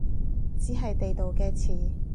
只係地道嘅詞